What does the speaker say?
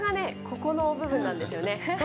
ここの部分なんですよね。